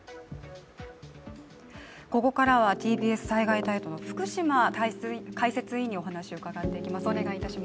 ここからはＴＢＳ災害担当の福島解説委員にお話を伺っていきます。